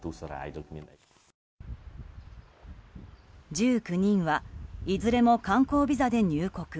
１９人はいずれも観光ビザで入国。